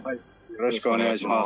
よろしくお願いします。